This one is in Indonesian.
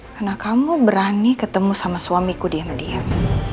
karena kamu berani ketemu sama suamiku diam diam